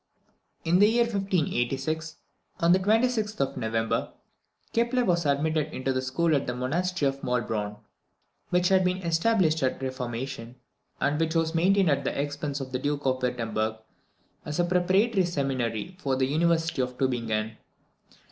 In the year 1586, on the 26th of November, Kepler was admitted into the school at the Monastery of Maulbronn, which had been established at the Reformation, and which was maintained at the expense of the Duke of Wirtemberg, as a preparatory seminary for the University of Tubingen.